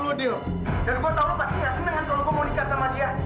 dan gua tau lo pasti gak seneng kan kalo gua mau nikah sama dia